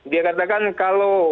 dia katakan kalau